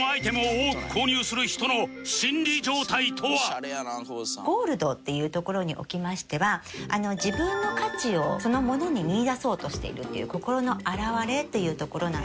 果たしてゴールドっていうところにおきましては自分の価値をそのものに見いだそうとしているっていう心の表れというところなんですね。